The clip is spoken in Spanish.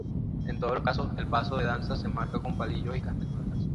En todos los casos el paso de danza se marca con palillos y castañuelas.